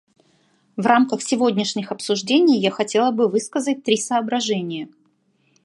В рамках сегодняшних обсуждений я хотела бы высказать три соображения.